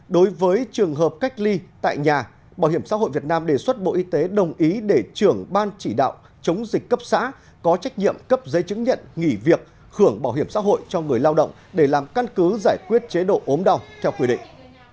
đối với trường hợp cách ly tại nhà bảo hiểm xã hội việt nam đề xuất bộ y tế đồng ý để trưởng ban chỉ đạo chống dịch cấp xã có trách nhiệm cấp giấy chứng nhận nghỉ việc hưởng bảo hiểm xã hội cho người lao động để làm căn cứ giải quyết chế độ ốm đau theo quy định